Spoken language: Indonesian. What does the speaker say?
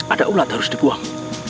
ada ulat harus dibuang